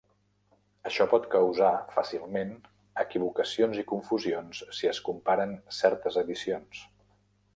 Això pot causar fàcilment equivocacions i confusions si es comparen certes edicions.